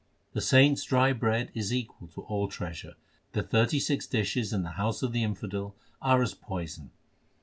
The saints dry bread is equal to all treasure. The thirty six dishes in the house of the infidel are as poison.